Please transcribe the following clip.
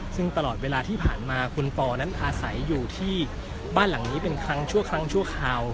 ซึ่งตลอดเวลาที่ผ่านมาคุณปอนั้นอาศัยอยู่ที่บ้านหลังนี้เป็นครั้งชั่วครั้งชั่วคราว